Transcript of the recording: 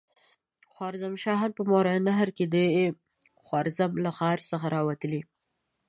خوارزم شاهان په ماوراالنهر کې د خوارزم له ښار څخه را وتلي.